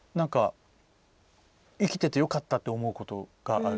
生きててよかったって思うことがある。